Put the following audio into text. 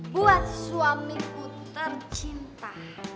buat suamiku tercinta